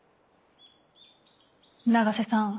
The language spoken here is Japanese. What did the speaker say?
永瀬さん